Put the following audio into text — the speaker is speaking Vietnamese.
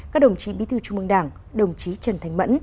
các đồng chí bí thư trung mương đảng đồng chí trần thành mẫn